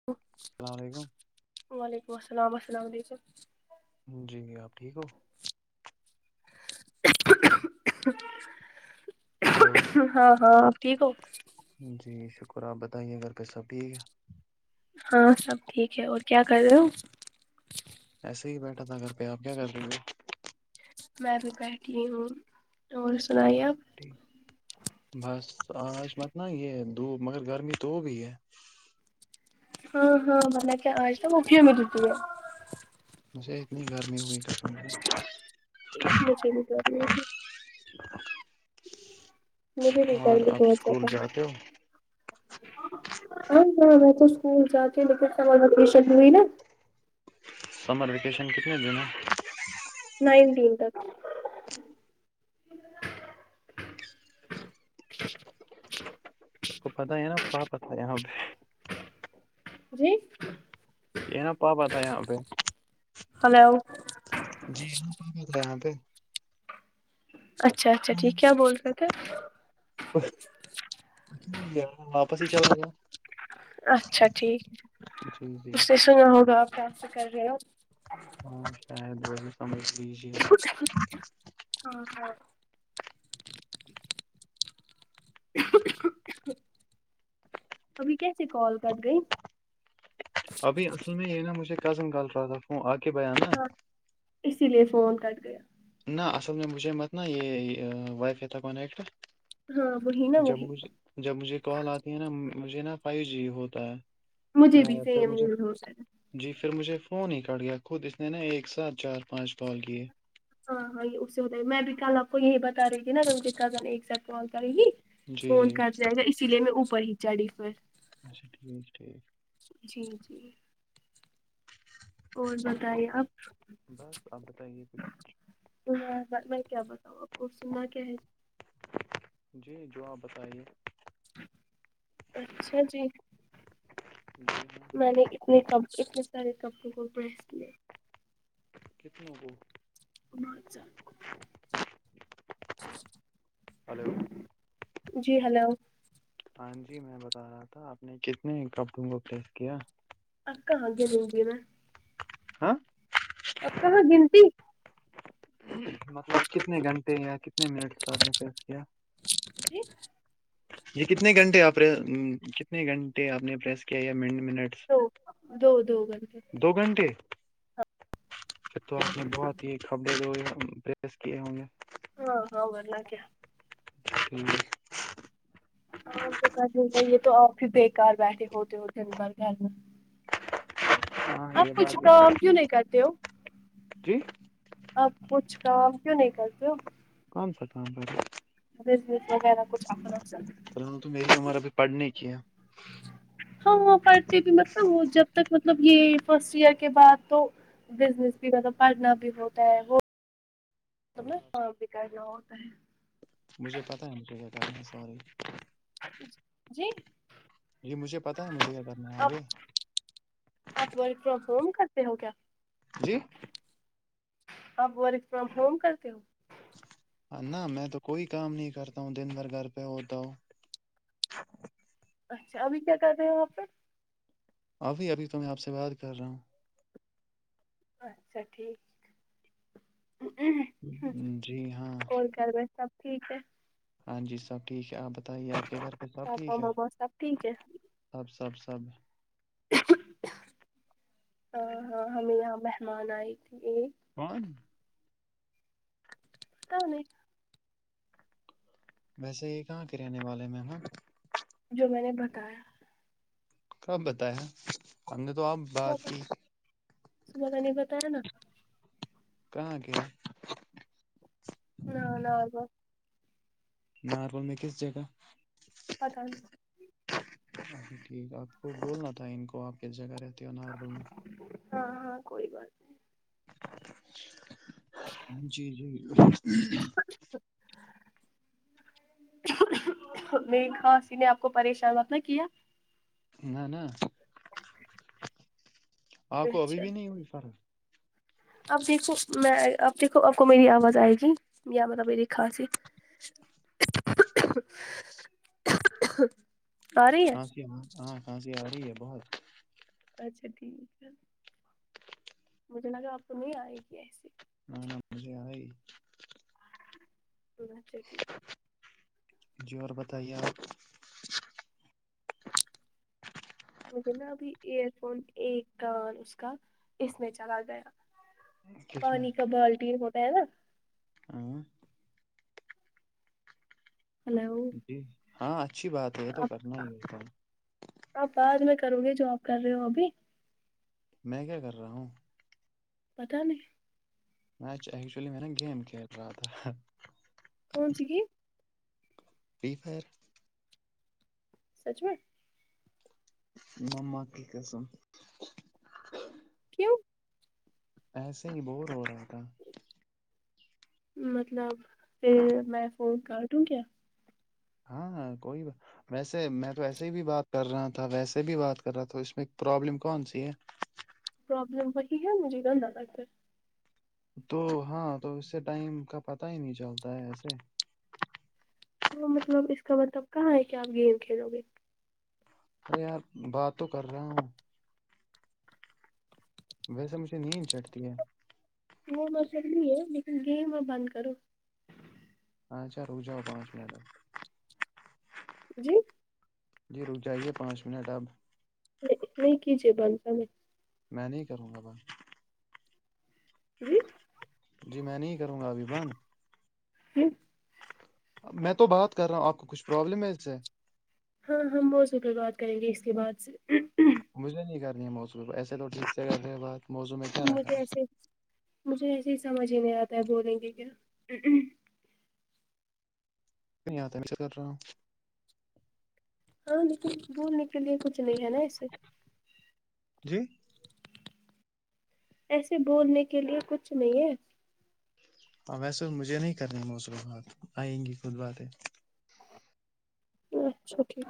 [unintelligible] السلام علیکم وعلیکم السلام السلام علیکم جی جی آپ ٹھیک ہو ہلو ہاں ہاں اپ ٹھیک ہو جی شکر آپ بتائیے گھر پے سب ٹھیک ہے ہاں سب ٹھیک ہے اور کیا کر رہے ہو ایسے ہی بیٹھا تھا گھر پہ آپ کیا کر رہی ہو میں بھی بیٹھی ہوں اور سنائیے اپ بس آج مت نہ یہ دھوپ مگر گرمی تو ہو گئی ہے ہاں ہاں [unintelligible] مجھے اتنی گرمی ہوئی [unintelligible] مجھے بھی گرمی [unintelligible] مجھے اور گرمی آپ بہت زیادہ اسکول جاتے ہو ہاں میں تو اسکول جاتی ہوں لیکن سمر وکیشن ہوئی نا سمر ویکیشن کتنے دن ہیں نائنٹیین تک آپ کو پتہ ہے نا پا پت ہے یہاں پہ جی یہ نا پاپا تھا یہاں پہ ہلو جی ہاں پاپا تھا یہاں پہ اچھا اچھا ٹھیک کیا بول رہے تھے کچھ نہیں یار واپس ہی چلا گیا اچھا ٹھیک جی جی اس نے سنا ہوگا آپ پراپ سے کر رہے ہو ہاں شاید وہی سمجھ لی ہاں ابھی کیسے کال کر گئی ابھی اصل میں یہ ہے نا مجھے کزن کال کر رہا تھا فون آ کے بیان نا ہاں اسی لیے فون کٹ گیا نہ اصل میں مجھے مت ن یہ وائی فائی تھا کا نیٹورک ہاں وہی نا جب وہی مجھے جب مجھے کال آتی ہے نا مجھے نا فائیو جی ہوتا ہے مجھے بھی نہیں پھر سیم مجھے یہی ہوتا ہے جی پھر مجھے فون ہی کٹ گیا خود اس نے نا ایک ساتھ چار پانچ کال کیے ہاں ہاں یہ اس سے ہوتا ائے میں بھی کل آپ کو یہی بتا رہی تھی نا ان کے کزن ایک ساتھ کال کرے گی جی فون جی کٹ جائے گا اسی لیے میں اوپر ہی چڑھی پھر اچھا ٹھیک ٹھیک جی جی اور بتائی آپ بس آپ بتائیے کچھ ہ میں کیا بتاؤں آپ کو سننا کیا ہے جی جو آپ بتائیے اچھا جی [unintelligible] میں نے اتنے ک اتنے سارے کپڑوں کو پریس کیے کتنوں کو ہلو [unintelligible] جی ہلو ہاں جی میں بتا رہا تھا آپ نے کتنے کپڑوں کو پریس کیا [unintelligible] ہاں اور کہاں گنتی مطلب کتنے گھنٹے یا کتنے منٹ [unintelligible] کیا جی یہ کتنے گھنٹے آپ کتنے گھنٹے آپ نے پریس کیا یا منٹ منٹ دو دو دو گھنٹے دو گھنٹے تو آپ نے بہت ہیبرے دو رس کیی عوں گے [unintelligible] ہاں ہاں ورنہ کیا ٹھیک ہاں تو کر گ یہ تو آپ بھی بےیکار بیٹھے ہوتے ہو دیں بھر گھر میں [unintelligible] آپ کچھ بات بھی کام کیوں نہیں کرتے ہو جی آپ کچھ کام کیوں نہیں کرتے ہو کون سا کام کرے بزنس وغیرہ کچھ اپنا سا سلام، تو میری عمر ابھی پڑھنے کی ہے ہاں ہاں پڑھتے بھی مطلب وہ جب تک مطلب یہ فرسٹ ایئر کے بعد تو بزنس بھی مب پڑھنا بھی ہوتا ہے وہ تب نا کام بھی کرنا ہوتا ہے مجھے پتہ ہے ان کہ کیا کہنا ہے سوری جی جی مجھے پتاہ ہے مجھے کیا کرنا ہے آپ آگے آپ ورک فرم ہوم کرتے ہو کیا جی آپ ورک فرم ہوم کرتے ہو اور نہ میں تو کوئی کام نہیں کرتا ہوں دن بھر گھر پہ ہوتا ہوں [inaudible] اچھا ابھی کیا کر رہے ہیں وہاں پہ ابھی ابھی تو میں آپ سے بات کر رہا ہوں اچھا ٹھیک جی ہاں اور گھر میں سب ٹھیک ہے ہاں جی سب ٹھیک ہے آپ بتائیے آپ کے گھر پے سب پاپا ٹھیک ہے ماما سب ٹھیک ہے آپ سب سب ہاں ہاں ہمیں یہاں مہمان آئے تھے کون تا ہو [inaudible] ویسے یہ کہاں کے رہنے والے مہمان جو میں نے بتایا کب بتایا ہم نے تو اب بات صبح کی صبح میں نے بتایا نا کہاں کے ناربل ناربال میں کس جگہ پتہ نہیں ا ٹھیک آپ کو بولنا تھا ان کو آپ کس جگہ رہتی ہونالاربا میں ہاں ہاں کوئی بات جی جی [unintelligible] [inaudible] میری کھانسی نے آپ کو پریشان مت نہ کیا نہ نہ آپ کو ابھی اچھا بھی نہیں ہوئی فرق اب دیکھو میں اب دیکھو آپ کو میری آواز آئے گی میرا مطلب میری کھانسی [inaudible] آ رہی ہے کھانسی ہاں ہاں کھانسی آ رہی ہے بہت اچھا ٹھیک ہے مجھے لگا آپ کو نہیں آئے گی ایسی ہاں مجھے آ ہی تو اچھا ٹھیک جی اور بتائیے آپ مجھے نا ابھی ایئر فون ایک کان اس کا اس میں چلا گیا کس پانی کا بالٹی ہوتا ہے نا اں ہیلو جی ہاں اچھی بات ہے یہ تو کرنا ہی ہوتا ہے آپ بعد میں کرو گے جو آپ کر رہے ہو ابھی میں کیا کر رہا ہوں پتاہ نہیں میںچھا ایکچولی میں نا گیم کھیل رہا تھا کون سی گیم فری فائر سچ میں مما کی قسم کیوں ایسے ہی بور ہو رہا تھا مطلب پھر میں فون کانٹوں کیا ہاں ہاں کوئی ویسے میں تو ایسے ہی بھی بات کر رہا تھا ویسے بھی بات کر رہا تھا اس میں پرابلم کون سی ہے پرابلم وہی ہے مجھے گندہ لگتا ہے تو ہاں تو اس سے ٹائم کا پتا ہی نہیں چلتا ہے ایسے تو مطلب اس کا مطلب کہاں ہے کہ آپ گیم کھیلو گے ارے یار بات تو کر رہا ہوں ویسے مجھے نیند چڑتی ہے وہ میں چری ہی ہے لیکن گیم اب بند کرو اچھا رک جاو پانچ منٹ جی جی رک جائیے پانچ منٹ اب نہیں نہیں کیجے بند ہمیں میں نہیں کروں گا بند جی جی میں نہیں کروں گا ابھی بند [unintelligible] میں تو بات کر رہا ہوں آپ کو کچھ پروابلم ہے اس سے ہاں ہم واٹس اپ بات کریں گے اس کے بعد سے مجھے نہیں کرنی ہے موسم ایسے تو ٹھیک سے کر رہے بات موضوع میں کیا رکھا مجھے ہے ایسے مجھے ایسے ہی سمجھ ہی نہیں آتا ہے بولیں گے کیا نہیں آیا تھا میںس [unintelligible] سے کر رہا ہوں ہاں لیکن بولنے کے لیے کچھ نہیں ہے نا ایسے جی ایسے بولنے کے لیے کچھ نہیں ہے ہاں ویسے مجھے نہیں کرنی موصر بات آئیں گی خود باتیں اچھا ٹھیک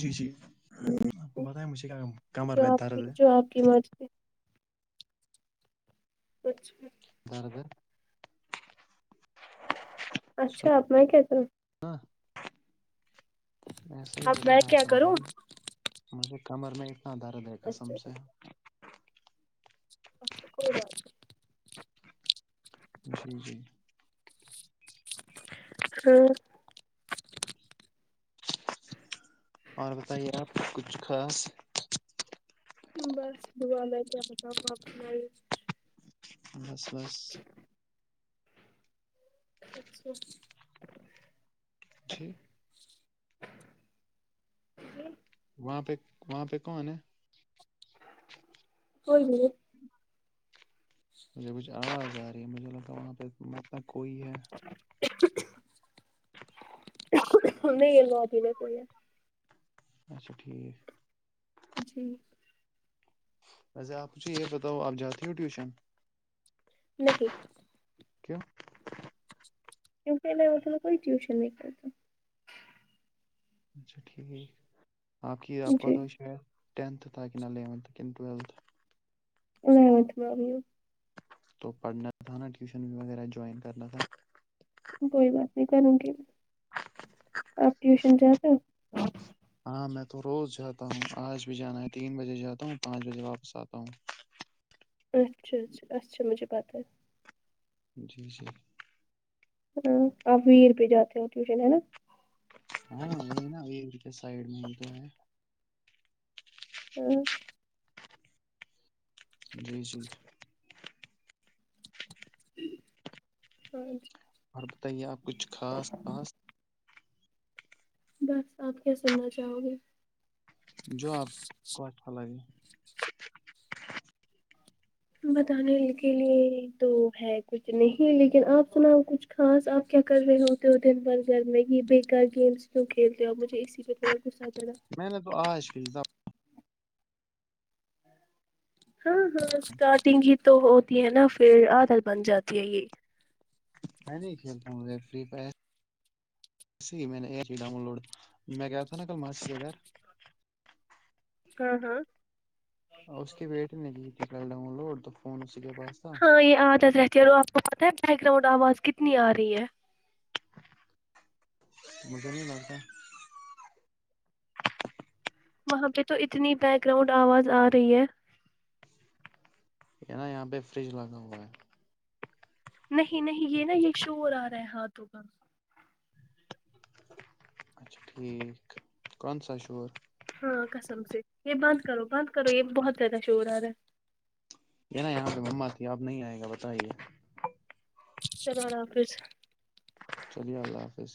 جی جی آپ کو بتائیا مجھے کیا کمر جو میں آپ کی درد ہے جو آپ کی مجتی کچھ [unintelligible] اچھا آپ نی کہتے ہو ہاں ویسے ہی اب بتا میں رہا کیا تھا کروں مجھے کمر میں اتنا درد ہے قسم اچھا سے ٹھیک اچھا کوئی بات نہیں جی جی ہوں اور بتائیے آپ کچھ خاص بس دعا میں کیا بتاؤں آپ ائیچ بس بس اچھا جی جی، وہاں پہ وہاں پہ کون ہے کوئی نہیں مجھے کچھ آ رہا ہے گاڑی میں مجھے لگاتا وہاں پہ مت نہ کوئی ہے نہیں یہ لو ادھیر کوئی ہے اچھا ٹھیک جی ویسے آپ مجھے یہ بتاؤ آپ جاتی ہو ٹیوشن نہیں کیوں کیونکے میں اتنا کوئی ٹیوشن نہیں پڑھتی اچھا ٹھیک آپ کی آپ کا جی تو شاید ٹنتھ تھا کا نہ الیونتھ کن ٹوویلتھ یلونٹھ ٹویلتھ یہ تو پڑھنا تھا نا ٹیوشن وغیرہ جوائن کرنا تھا کوئی بات نہیں کروں گی آپ ٹیوشن جاتے ہو ہاں ہاں میں تو روز جاتا ہوں آج بھی جانا ہے تین بجے جاتا ہوں پانچ بجے واپس آتا ہوں اچھا اچھا اچھا مجھے پتہ ہے جی جی ہون آپ ویر پے جاتے ہو ٹیوشن ہے نہ ہاں وہی نا یہ انکے سائڈ میں ہی تو ہے ہاں جی جی ہاں جی اور بتائیے آپ کچھ خاص خاص بس آپ کیا سننا چاہو گے جو آپ کو اچھا لگے بتانے کے لیے تو ہے کچھ نہیں لیکن آپ سناؤ کچھ خاص آپ کیا کر رہے ہوتے ہو دن بھر گھر میں بے یکار گیمس کیوں کھیلتے ہو آ مجھے اس اس سے تھوڑا غصہ چڑھا میں نے تو آج ہی تو ہاں ہاں اسٹارٹنگ ہی تو ہوتی ہے نا پھر عادت بن جاتی ہے یہ میں نہیں کھیلتا ہوں مجھے فری فائر جی میں نے ای ہی ڈاؤن لوڈ میں کیا تھا نا کل ماسی کے گھر ہاں ہاں اور اس کی بیٹی نے کی [unintelligible] ڈون لوڈ فون اسی کے پاس تھا ہاں یہ عادت رہتی ہے اور آپ کو پتہ ہے بیک گراؤنڈ آواز کتنی آ رہی ہے مجھے نہیں لگتا وہاں پہ تو اتنی بیک گراؤنڈ آواز آ رہی ہے یہاں یہاں پہ فریج بند ہو گیا ہیں نہیں نہیں یہ نا یہ شور آ رہا ہے ہاتھوں کا اچھا ٹھیک کون سا شور ہاں قسم سے یہ بند کرو بند کرو یہ بہت زیادہ شور ارہا ہے یہ نا یہاں پہ مما تھی آپ نہیں آئے گا بتائیے چلو اللہ حافظ چلیے اللہ حافظ